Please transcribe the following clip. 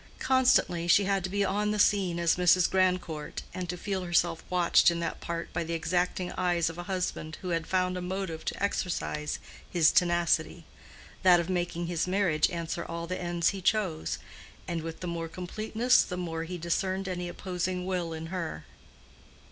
Constantly she had to be on the scene as Mrs. Grandcourt, and to feel herself watched in that part by the exacting eyes of a husband who had found a motive to exercise his tenacity—that of making his marriage answer all the ends he chose, and with the more completeness the more he discerned any opposing will in her.